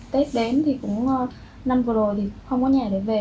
tết đến thì cũng năm vừa rồi thì không có nhà để về